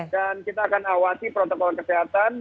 dan kita akan awasi protokol kesehatan